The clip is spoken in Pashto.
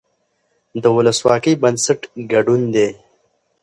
د ولسواکۍ بنسټ ګډون دی